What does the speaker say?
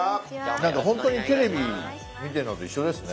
ほんとにテレビ見てんのと一緒ですね。